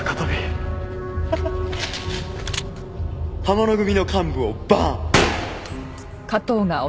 浜之組の幹部をバーン！